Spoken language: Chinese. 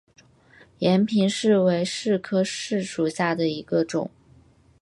延平柿为柿科柿属下的一个种。